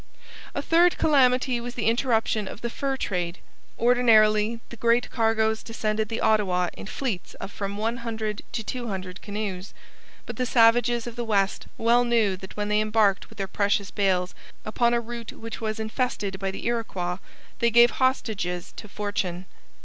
A third calamity was the interruption of the fur trade. Ordinarily the great cargoes descended the Ottawa in fleets of from one hundred to two hundred canoes. But the savages of the West well knew that when they embarked with their precious bales upon a route which was infested by the Iroquois, they gave hostages to fortune.